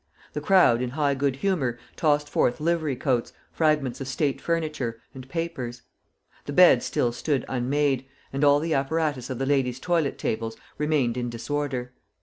The crowd, in high good humor, tossed forth livery coats, fragments of state furniture, and papers. The beds still stood unmade, and all the apparatus of the ladies' toilet tables remained in disorder.